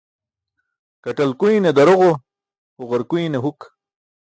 Kaṭlakuyne daroġo, haġurkuyne huk.